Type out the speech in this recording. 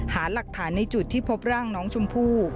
หาหลักฐานในจุดที่พบร่างน้องชมพู่